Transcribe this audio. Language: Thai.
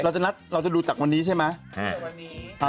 เราจะดูจากวันนี้ใช่ไหม